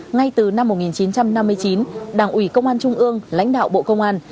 ngay từ năm một nghìn chín trăm năm mươi chín đảng ủy công an trung ương lãnh đạo bộ công an